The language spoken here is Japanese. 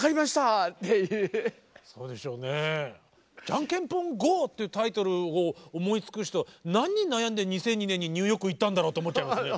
「ジャンケンポンＧＯ！！」ってタイトルを思いつく人は何に悩んで２００２年にニューヨーク行ったんだろうって思っちゃいますね。